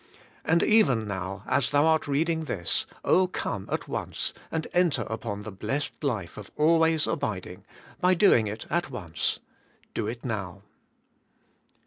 And even now, as thou art reading this, come at once, and enter upon the blessed life of always abiding, by doing it at once: do it now.